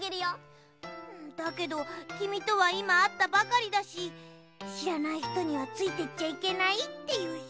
だけどきみとはいまあったばかりだししらないひとにはついていっちゃいけないっていうし。